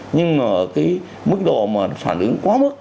nhưng mà cái mức độ mà phản ứng quá mức